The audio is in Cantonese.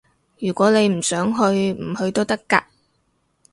如果你唔想去，唔去都得㗎